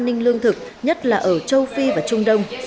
đối với an ninh lương thực nhất là ở châu phi và trung đông